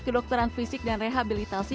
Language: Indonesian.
kedokteran fisik dan rehabilitasi